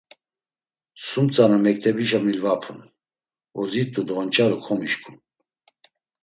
Sum tzana mektebişe milvapun, ozit̆u do onç̌aru komişǩun.